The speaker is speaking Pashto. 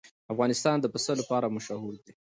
افغانستان د پسه لپاره مشهور دی.